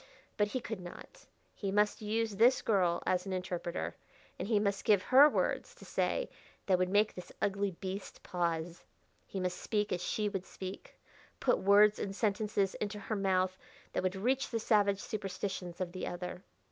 But he could not. He must use this girl as an interpreter, and he must give her words to say that would make this ugly beast pause. He must speak as she would speak; put words and sentences into her mouth that would reach the savage superstitions of the other.